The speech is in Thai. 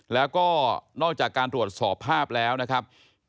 แล้วก็นอกจากการตรวจสอบภาพแล้วนะครับ